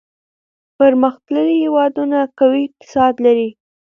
پرمختللي هېوادونه قوي اقتصاد لري.